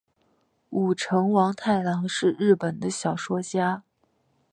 舞城王太郎是日本的小说家。